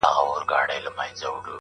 د ګیدړ باټو له حاله وو ایستلی.!